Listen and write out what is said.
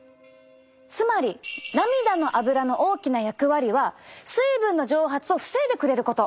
つまり涙のアブラの大きな役割は水分の蒸発を防いでくれること！